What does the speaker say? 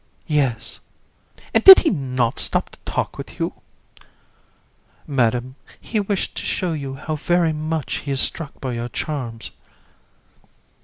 Yes. COUN. And did he not stop to talk with you? JU. No, Madam; he wished to show you how very much he is struck by your charms.